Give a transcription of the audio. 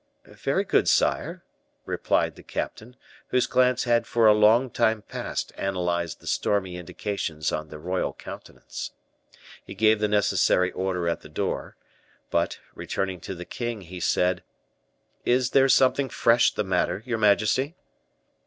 "Very good, sire," replied the captain, whose glance had for a long time past analyzed the stormy indications on the royal countenance. He gave the necessary order at the door; but, returning to the king, he said, "Is there something fresh the matter, your majesty?"